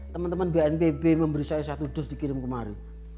teman teman bnpb memberi saya satu dos dikirim kemarin